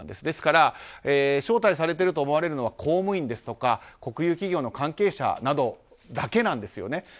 ですから招待されていると思われるのは公務員ですとか国有企業の関係者などだけなんですよね。